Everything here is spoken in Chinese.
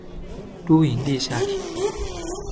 都营地下铁